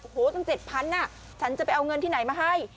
โอ้โหตั้ง๗๐๐บาทฉันจะไปเอาเงินที่ไหนมาให้